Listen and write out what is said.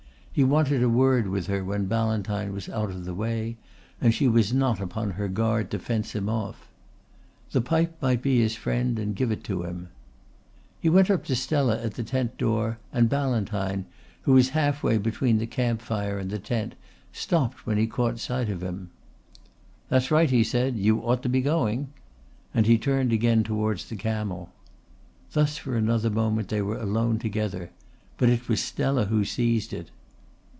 He wanted a word with her when Ballantyne was out of the way and she was not upon her guard to fence him off. The pipe might be his friend and give it him. He went up to Stella at the tent door and Ballantyne, who was half way between the camp fire and the tent, stopped when he caught sight of him. "That's right," he said. "You ought to be going;" and he turned again towards the camel. Thus for another moment they were alone together, but it was Stella who seized it.